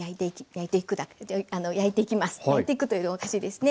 「焼いていく」というのおかしいですね。